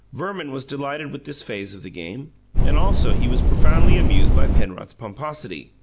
Verman was delighted with this phase of the game, and, also, he was profoundly amused by Penrod's pomposity.